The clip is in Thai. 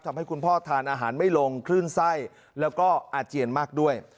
ทำให้คุณพ่อทานอาหารไม่ลงคลื่นไส้แล้วก็อาเจียนมากด้วย